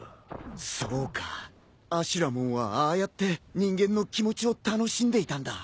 そうかアシュラモンはああやって人間の気持ちを楽しんでいたんだ。